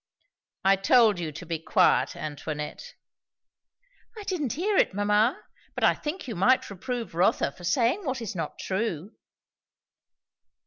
"I told you to be quiet, Antoinette." "I didn't hear it, mamma. But I think you might reprove Rotha for saying what is not true."